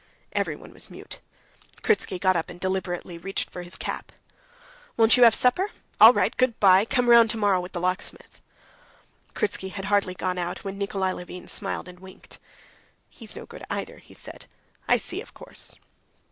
Everyone was mute. Kritsky got up deliberately and reached his cap. "Won't you have supper? All right, good bye! Come round tomorrow with the locksmith." Kritsky had hardly gone out when Nikolay Levin smiled and winked. "He's no good either," he said. "I see, of course...."